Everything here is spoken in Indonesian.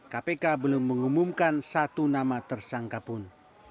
kpk belum mengumumkan satu nama tersangka pun